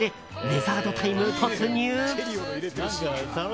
デザートタイムに突入。